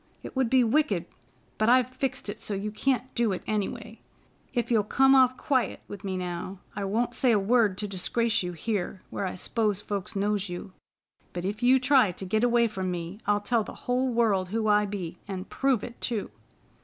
It would be wicked. But I've fixed it so you can't do it, any way. If you'll come off quiet with me now, I won't say a word to disgrace you here where I s'pose folks knows you; but if you try to git away from me, I'll tell the whole world who I be, an' prove it too!"